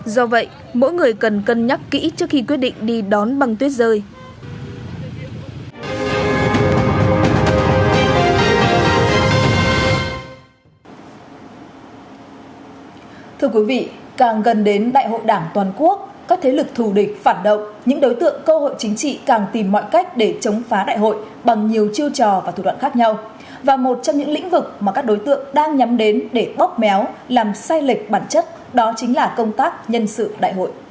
do vậy mỗi người cần cân nhắc kỹ trước khi quyết định đi đón băng tuyết rơi